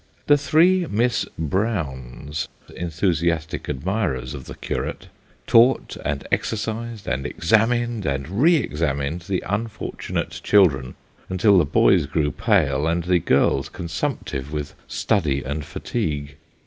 The three Miss Browns (enthusiastic admirers of the curate) taught, and exercised, and examined, and re examined the unfortunate children, until the boys grew pale, and the girls consumptive with study and fatigue.